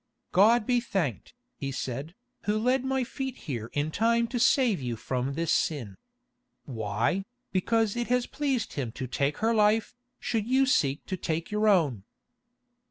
"God be thanked," he said, "Who led my feet here in time to save you from this sin. Why, because it has pleased Him to take her life, should you seek to take your own?"